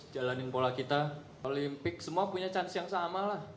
jalanin pola kita olimpik semua punya chance yang sama lah